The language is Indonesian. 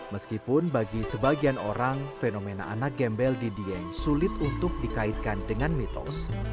meskipun bagi sebagian orang fenomena anak gembel di dieng sulit untuk dikaitkan dengan mitos